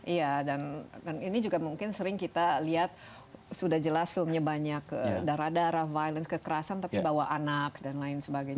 iya dan ini juga mungkin sering kita lihat sudah jelas filmnya banyak darah darah violence kekerasan tapi bawa anak dan lain sebagainya